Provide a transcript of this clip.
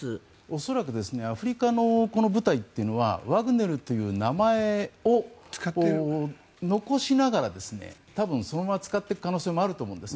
恐らくアフリカのこの部隊というのはワグネルという名前を残しながら多分、そのまま使っていく可能性もあると思うんです。